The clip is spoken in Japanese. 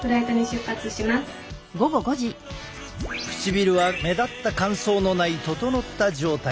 唇は目立った乾燥のない整った状態。